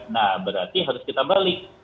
nah berarti harus kita balik